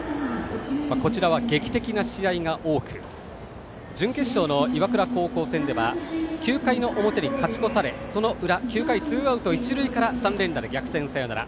こちらは劇的な試合が多く準決勝の岩倉高校戦では９回の表に勝ち越されその裏９回ワンアウト二塁から３連打で逆転サヨナラ。